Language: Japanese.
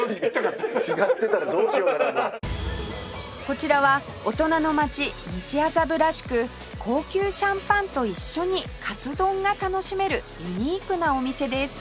こちらは大人の街西麻布らしく高級シャンパンと一緒にカツ丼が楽しめるユニークなお店です